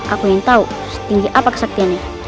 aku ingin tahu setinggi apa kesaktiannya